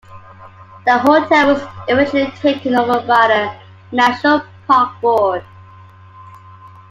The hotel was eventually taken over by the National Park Board.